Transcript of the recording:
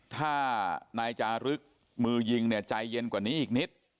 ถ้านายจารึกมือยิงเนี่ยใจเย็นกว่านี้อีกนิด